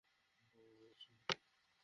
Promise, সোনা।